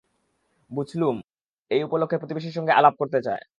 বুছলুম, এই উপলক্ষে প্রতিবেশীর সঙ্গে আলাপ করতে চায়।